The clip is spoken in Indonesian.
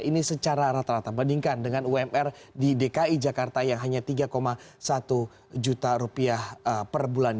ini secara rata rata bandingkan dengan umr di dki jakarta yang hanya tiga satu juta rupiah per bulan